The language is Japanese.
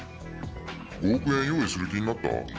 「５億円用意する気になった？」